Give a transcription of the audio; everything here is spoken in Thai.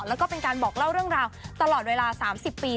แล้วก็เป็นการบอกเล่าเรื่องราวตลอดเวลา๓๐ปี